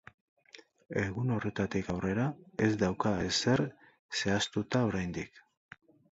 Egun horretatik aurrera, ez dauka ezer zehaztuta oraindik.